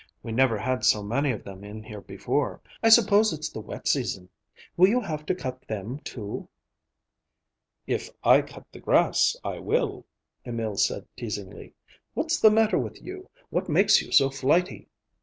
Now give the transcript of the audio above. We never had so many of them in here before. I suppose it's the wet season. Will you have to cut them, too?" "If I cut the grass, I will," Emil said teasingly. "What's the matter with you? What makes you so flighty?"